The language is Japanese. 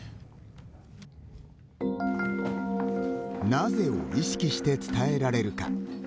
なぜを意識して伝えられるか。